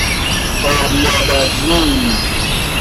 آریابرزین